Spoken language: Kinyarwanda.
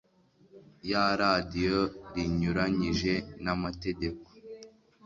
ya radiyo rinyuranyije n amategeko